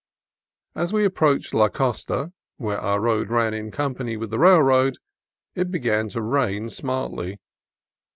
As we approached La Costa, where our road ran in company with the railroad, it began to rain smartly.